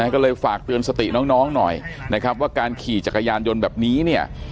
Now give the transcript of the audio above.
ก็เลยฝากเตือนสติน้องหน่อยนะครับว่าการขี่จักรยานยนต์แบบนี้เนี่ย